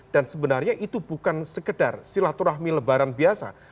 dan sebenarnya itu bukan sekedar silaturahmi lebaran biasa